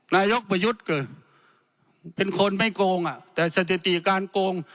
นายกประยุทธ์ก็เป็นคนไม่โกงอ่ะแต่สถิติการโกง